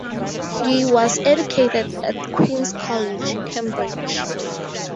He was educated at Queens' College, Cambridge.